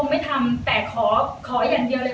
ไม่ทำแต่ขออย่างเดียวเลย